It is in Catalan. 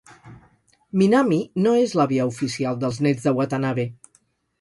Minami no és l'àvia oficial dels nets de Watanabe.